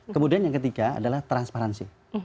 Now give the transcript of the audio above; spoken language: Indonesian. kemudian yang ketiga adalah transparansi